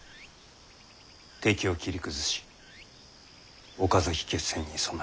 敵を切り崩し岡崎決戦に備える。